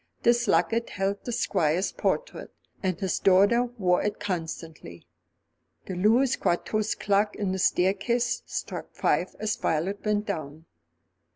This locket held the Squire's portrait, and his daughter wore it constantly. The Louis Quatorze clock on the staircase struck five as Violet went down.